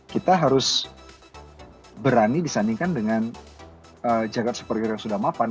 kita harus berani disandingkan dengan jagad superhero yang sudah mapan